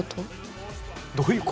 「どういう事」。